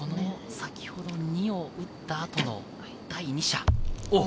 先ほど２を撃った後の第２射。